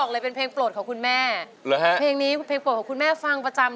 เค็นที่ท่านชอบมาก